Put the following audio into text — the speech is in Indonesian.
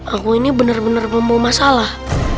aku ini bener bener mempunyai masalah